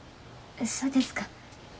そうですか。